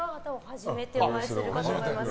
初めてお会いすると思います。